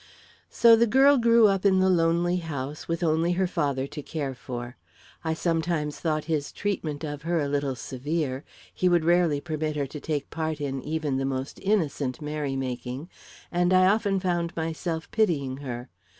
"So the girl grew up in the lonely house, with only her father to care for. I sometimes thought his treatment of her a little severe he would rarely permit her to take part in even the most innocent merry making and I often found myself pitying her.